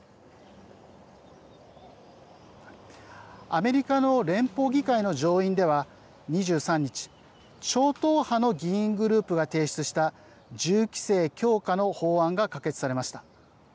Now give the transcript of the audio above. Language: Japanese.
アメリカの連邦議会の上院では２３日超党派の議員グループが提出した銃規制強化の法案が可決されました。